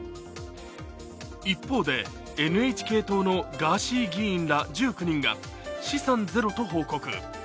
一方で、ＮＨＫ党のガーシー議員ら１９人が資産ゼロと報告。